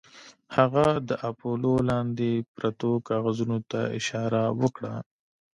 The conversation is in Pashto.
هغه د اپولو لاندې پرتو کاغذونو ته اشاره وکړه